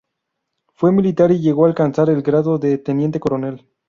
Fue militar y llegó a alcanzar el grado de teniente coronel.